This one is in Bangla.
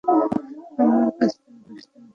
আমার কাছে ঘেঁষতেও দেব না।